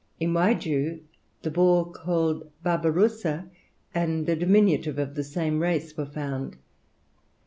In Waigiou, the boar called barberossa, and a diminutive of the same race were found.